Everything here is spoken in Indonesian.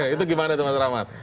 itu gimana tuh mas rahmat